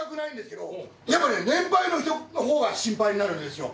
やっぱね年配の人の方が心配になるんですよ。